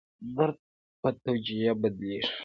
درد په توجیه بدلېږي.